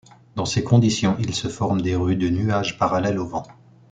Dans ces conditions, il se forme des rues de nuages parallèles au vent.